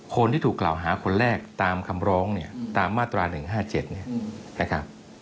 คนที่ถูกกล่าวหาคนแรกตามคำร้องเนี่ยตามมาตรา๑๕๗เนี่ยนะครับ